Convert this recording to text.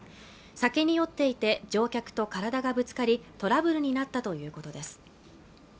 酒に酔っていて乗客と体がぶつかりトラブルになったということです